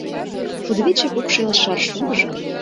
Кудывече покшел шаршудыжо